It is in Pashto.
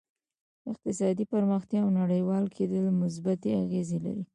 اقتصادي پرمختیا او نړیوال کېدل مثبتې اغېزې لري